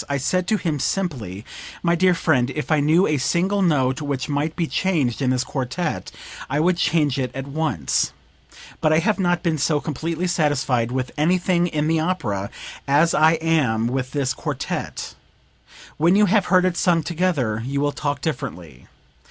I said to him simply: 'My dear friend, if I knew a single note which might be changed in this quartet I would change it at once; but I have not been so completely satisfied with anything in the opera as I am with this quartet; when you have heard it sung together you will talk differently.